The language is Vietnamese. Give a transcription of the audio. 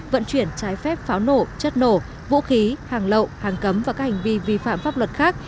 vận chuyển trái phép pháo nổ chất nổ vũ khí hàng lậu hàng cấm và các hành vi vi phạm pháp luật khác